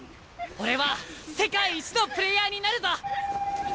俺は世界一のプレーヤーになるぞ！